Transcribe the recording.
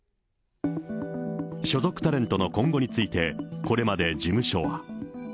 所属タレントの今後について、これまで事務所は。